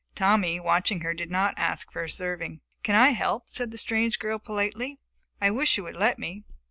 Tommy, watching her, did not ask for a serving. "Can I help?" said the strange girl politely. "I wish you would let me.